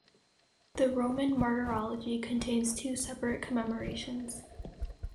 The "Roman Martyrology" contains two separate commemorations.